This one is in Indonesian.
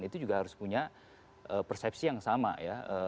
itu juga harus punya persepsi yang sama ya